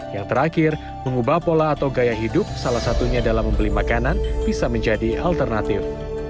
yang terakhir mengubah pola atau gaya hidup salah satunya dalam membeli makanan bisa menjadi alternatif